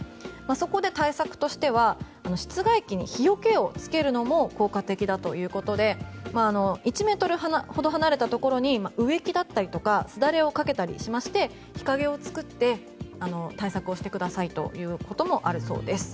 そこで対策としては室外機に日よけをつけるのも効果的だということで１ｍほど離れたところに植木だったりとかすだれをかけたりしまして日陰を作って対策をしてくださいということもあるそうです。